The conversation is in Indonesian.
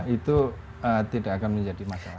itu tidak akan menjadi masalah